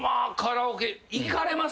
行かれます？